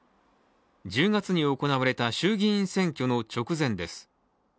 １０月に行われた衆議院選挙の直前です。